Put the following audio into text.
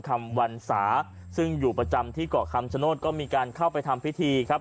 คำวันสาซึ่งอยู่ประจำที่เกาะคำชโนธก็มีการเข้าไปทำพิธีครับ